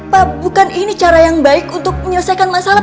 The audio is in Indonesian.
pak bukan ini cara yang baik untuk menyelesaikan masalah